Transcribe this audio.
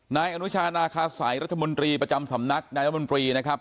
นายอนุชานาคาสัยรัฐมนตรีประจำสำนักนายรัฐมนตรีนะครับ